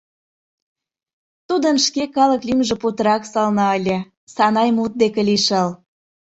Тудын шке калык лӱмжӧ путырак сылне ыле: Санай мут деке лишыл.